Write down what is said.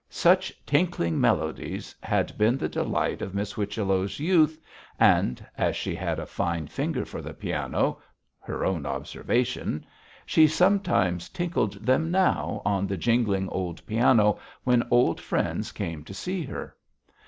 Such tinkling melodies had been the delight of Miss Whichello's youth, and as she had a fine finger for the piano (her own observation) she sometimes tinkled them now on the jingling old piano when old friends came to see her.